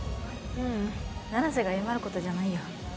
ううん七星が謝ることじゃないよ。